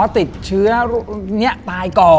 อ๋อติดเชื้อเนี่ยตายก่อน